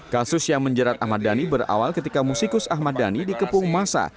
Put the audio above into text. kasus yang menjerat ahmad dhani berawal ketika musikus ahmad dhani dikepung masa